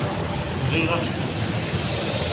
Nɣiɣ-as-ten.